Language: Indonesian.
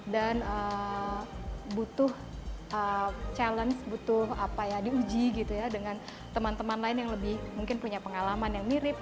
dan butuh challenge butuh apa ya diuji gitu ya dengan teman teman lain yang lebih mungkin punya pengalaman yang mirip